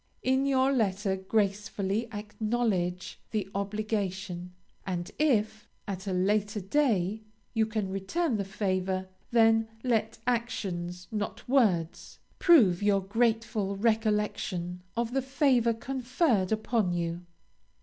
In your letter gracefully acknowledge the obligation, and if, at a later day, you can return the favor, then let actions, not words, prove your grateful recollection of the favor conferred upon you.